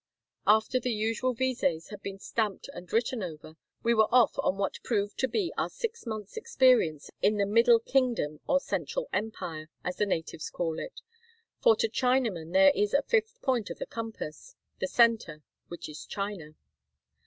After the usual vises had been stamped and written over, we were off on what proved to be our six months' experience in the "Middle Kingdom or Central Empire," as the natives call it, for to Chinamen there is a fifth point to the compass — the center, which is China.